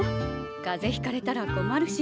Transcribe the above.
かぜひかれたら困るし。